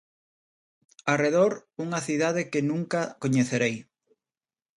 Arredor, unha cidade que nunca coñecerei.